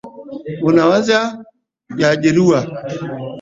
Mifugo inaweza kuathiriwa